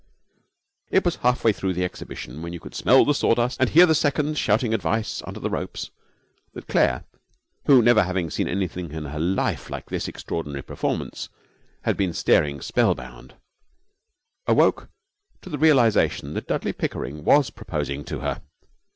It was half way through the exhibition, when you could smell the sawdust and hear the seconds shouting advice under the ropes, that Claire, who, never having seen anything in her life like this extraordinary performance, had been staring spellbound, awoke to the realization that Dudley Pickering was proposing to her.